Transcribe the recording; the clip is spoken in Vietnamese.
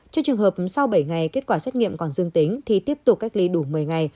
trước trường hợp sau bảy ngày kết quả xét nghiệm còn dương tính thì tiếp tục cách ly đủ một mươi ngày